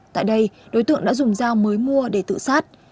tại đây đối tượng đã dùng dao mới mua để tự sát